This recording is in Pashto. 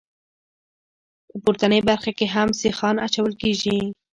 په پورتنۍ برخه کې هم سیخان اچول کیږي